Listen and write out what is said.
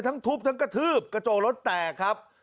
ทั้งทุบทั้งกระทืบกระโจงรถแตกครับ